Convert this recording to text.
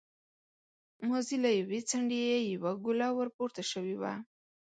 مازې له يوې څنډې يې يوه ګوله ور پورته شوې وه.